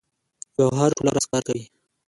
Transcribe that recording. ګوهر ټوله ورځ کار کوي